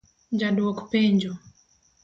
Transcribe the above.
Ja dwok penjo: